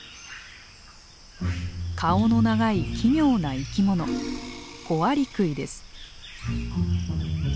顔の長い奇妙な生き物コアリクイです。